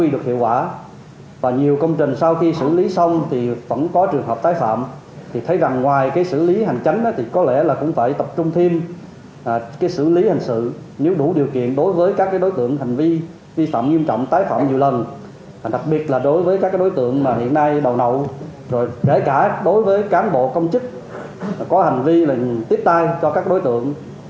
đầu nậu rồi để cả đối với cán bộ công chức có hành vi là tiếp tay cho các đối tượng